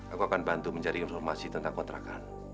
aku akan bantu mencari informasi tentang kontrakan